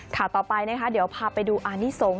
ข่าวต่อไปนะคะเดี๋ยวพาไปดูอานิสงฆ